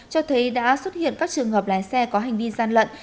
cho thấy đã xuất hiện các trường hợp lái xe có hành vi gian lận